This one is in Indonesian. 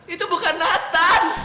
itu bukan nathan